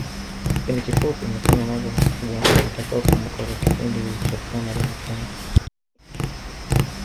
Kipindi kifupi umefanya mambo makubwa yatakayokumbukwa kwa kipindi ulichokaa madarakani